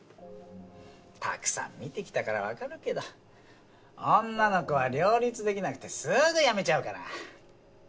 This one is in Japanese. たくさん見てきたから分かるけど女の子は両立できなくてすぐ辞めちゃうから。